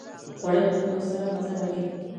خوړل له دوست سره مزه لري